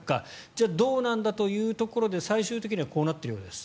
じゃあ、どうなんだということで最終的にはこうなっているようです。